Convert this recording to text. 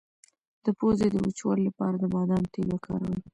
د پوزې د وچوالي لپاره د بادام تېل وکاروئ